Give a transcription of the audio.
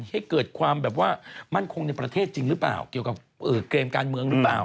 ให้เกิดความแบบว่ามั่นคงในประเทศจริงหรือเปล่าเกี่ยวกับเกมการเมืองหรือเปล่า